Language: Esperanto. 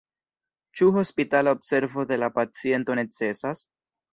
Ĉu hospitala observo de la paciento necesas?